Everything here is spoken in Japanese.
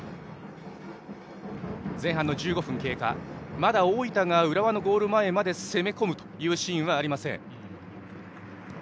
まだ大分が浦和のゴール前まで攻め込むというシーンはありません。